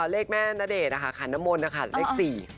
เลขแม่ณเดชค่ะคันนมนค่ะเลข๔